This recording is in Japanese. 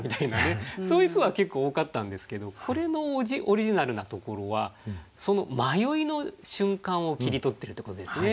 そういう句は結構多かったんですけどこれのオリジナルなところはその迷いの瞬間を切り取ってるってことですね。